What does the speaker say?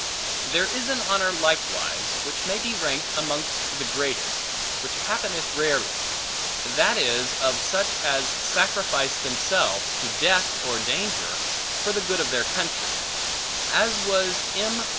There is an honor, likewise, which may be ranked amongst the greatest, which happeneth rarely; that is, of such as sacrifice themselves to death or danger for the good of their country; as was M.